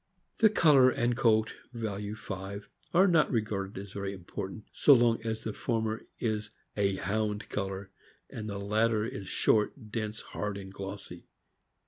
The color and coat (value 5) are not regarded as very important, so long as the former is a l ' Hound color " and the latter is short, dense, hard, and glossy.